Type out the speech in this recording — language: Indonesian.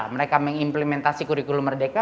mereka mengimplementasi kurikulum merdeka